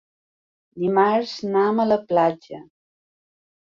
Dimarts anam a la platja.